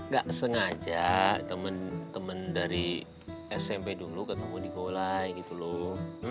gak sengaja teman dari smp dulu ketemu di golai gitu loh